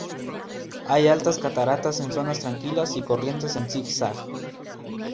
Hay altas cataratas en zonas tranquilas y corrientes en Zig zag.